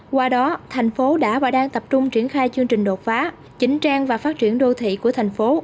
qua đó thành phố đã và đang tập trung triển khai chương trình đột phá chỉnh trang và phát triển đô thị của thành phố